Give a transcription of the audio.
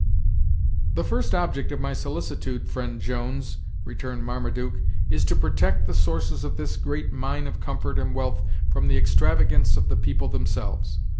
"The first object of my solicitude, friend Jones," returned Marmaduke, "is to protect the sources of this great mine of comfort and wealth from the extravagance of the people themselves.